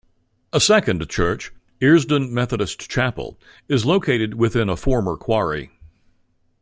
A second church, Earsdon Methodist Chapel, is located within a former quarry.